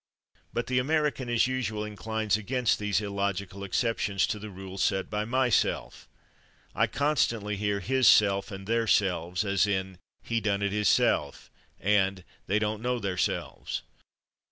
But the American, as usual, inclines against these illogical exceptions to the rule set by /myself/. I constantly hear /hisself/ and /theirselves/, as in "he done it /hisself/" and "they don't know /theirselves